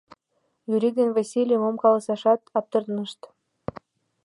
Юрик ден Васлий мом каласашат аптыранышт.